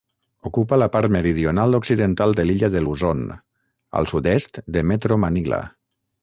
Ocupa la part meridional occidental de l'illa de Luzon, al sud-est de Metro Manila.